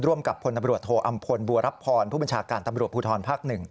กับพลตำรวจโทอำพลบัวรับพรผู้บัญชาการตำรวจภูทรภาค๑